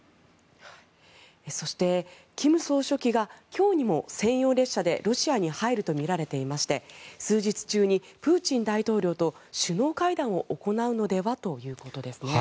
そして、金総書記が今日にも専用列車でロシアに入るとみられていまして数日中にプーチン大統領と首脳会談を行うのではということですね。